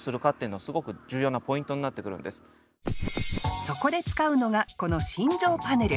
その時にそこで使うのがこの心情パネル。